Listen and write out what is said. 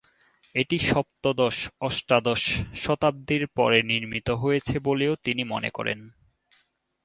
এটি সপ্তদশ-অষ্টাদশ শতাব্দীর পরে নির্মিত হয়েছে বলেও তিনি মনে করেন।